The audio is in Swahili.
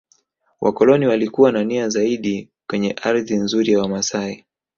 Wakoloni walikuwa na nia zaidi kenye ardhi nzuri ya wamasai